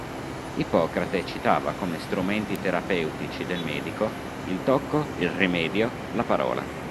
Ippocrate citava come strumenti terapeutici del medico: il tocco, il rimedio, la parola.